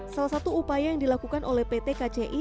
salah satu upaya yang dilakukan oleh pt kci